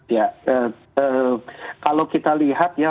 ya kalau kita lihat